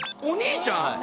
お兄ちゃん？